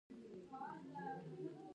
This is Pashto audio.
د چشت شریف مرمر سپین او شفاف دي.